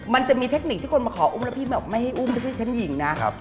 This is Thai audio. มันจะมีเทคนิคที่คนมาขออุ้มแล้วพี่แบบไม่ให้อุ้มไม่ใช่ฉันหญิงนะ